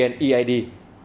hứa hẹn sẽ là giải pháp